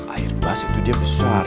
airbus itu dia besar